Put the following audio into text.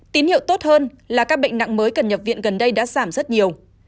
tín hiệu tốt hơn là các bệnh nặng mới cần nhập viện gần đây đã giảm rất nhiều